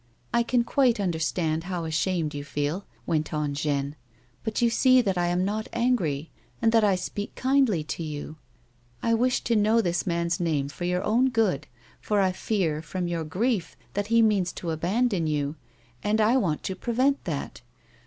" I can quite understand how ashamed you feel," went on Jeanne, " but you see that I am not angry, and that I speak kindly to you. I wish to know this man's name for your own good, for I fear, from your grief, that he means to abandon you, and I want to prevent that.